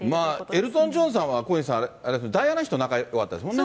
エルトン・ジョンさんは、小西さんあれですよね、ダイアナ妃と仲よかったですもんね。